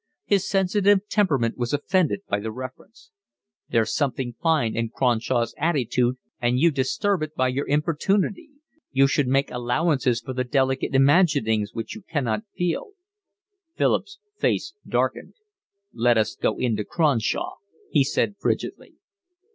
His sensitive temperament was offended by the reference. "There's something fine in Cronshaw's attitude, and you disturb it by your importunity. You should make allowances for the delicate imaginings which you cannot feel." Philip's face darkened. "Let us go in to Cronshaw," he said frigidly.